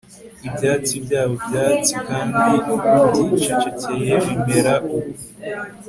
Ibyatsi byabo byatsi kandi byicecekeye bimera ubu